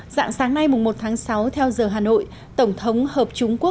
dạng sáng nay một tháng sáu theo giờ hà nội tổng thống hợp chúng quốc